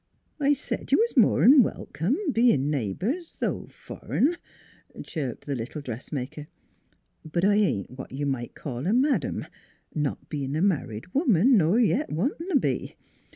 " I said you was more 'n welcome, bein' neigh bors, though fur'n," chirped the little dressmaker. " But I ain't what you might call a madam not bein' a married woman, nor yet wantin' t' be.